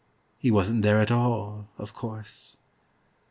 He wasn't there at all, of course.